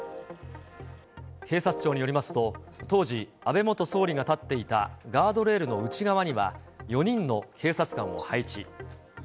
警察庁によりますと、当時、安倍元総理が立っていたガードレールの内側には、４人の警察官を配置。